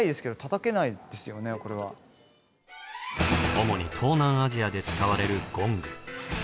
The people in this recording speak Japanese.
主に東南アジアで使われるゴング。